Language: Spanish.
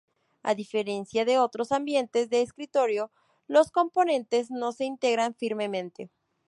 A diferencia de otros ambientes de escritorio, los componentes no se integran firmemente.